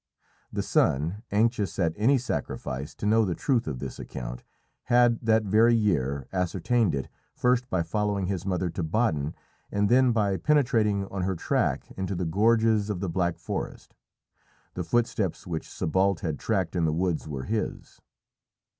The son, anxious at any sacrifice to know the truth of this account, had, that very year, ascertained it, first by following his mother to Baden, and then by penetrating on her track into the gorges of the Black Forest. The footsteps which Sébalt had tracked in the woods were his.